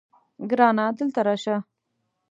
ګرانه دلته راشه